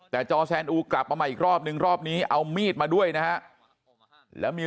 แต่จอแซนอูกลับมาใหม่อีกรอบนึงรอบนี้เอามีดมาด้วยนะฮะแล้วมี